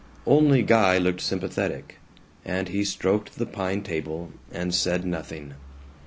Only Guy looked sympathetic, and he stroked the pine table and said nothing.